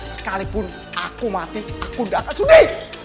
sekalipun aku mati aku tidak akan sudahi